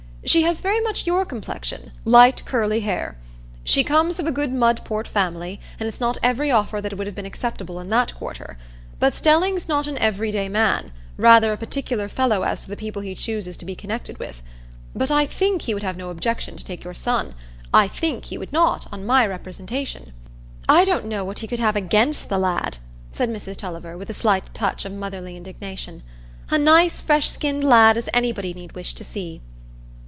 She has very much your complexion,—light curly hair. She comes of a good Mudport family, and it's not every offer that would have been acceptable in that quarter. But Stelling's not an everyday man; rather a particular fellow as to the people he chooses to be connected with. But I think he would have no objection to take your son; I think he would not, on my representation." "I don't know what he could have against the lad," said Mrs Tulliver, with a slight touch of motherly indignation; "a nice fresh skinned lad as anybody need wish to see."